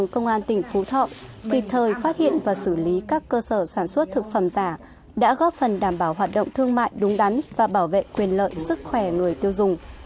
kịp thời phát hiện và xử lý các cơ sở sản xuất thực phẩm giả đã góp phần đảm bảo hoạt động thương mại đúng đắn và bảo vệ quyền lợi sức khỏe người tiêu dùng